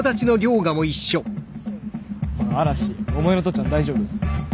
嵐お前の父ちゃん大丈夫？